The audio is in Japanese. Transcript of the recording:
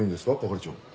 係長。